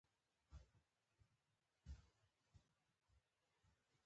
په کابل کې دوی له سردارنصرالله خان سره خبرې وکړې.